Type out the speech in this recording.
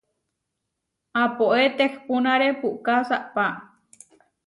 Apoé tehpúnare puʼká saʼpá.